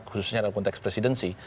khususnya dalam konteks presidensi